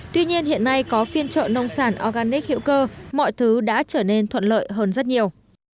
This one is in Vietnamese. tuy nhiên hiện nay có phiên trợ nông sản organic hữu cơ mọi thứ đã trở nên thuận lợi hơn rất nhiều